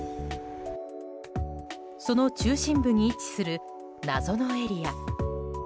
その中心部に位置する謎のエリア。